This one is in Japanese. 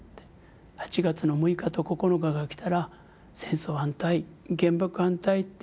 ８月の６日と９日が来たら「戦争反対原爆反対」って言ってね